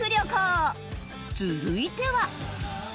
続いては。